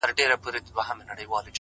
د زړه له درده دا نارۍ نه وهم”